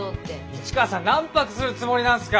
市川さん何泊するつもりなんすか！